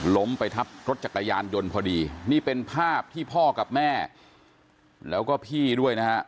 ล้มไปทับรถจักรยานยนต์พอดีนี่เป็นภาพที่พ่อกับแม่แล้วก็พี่ด้วยนะฮะ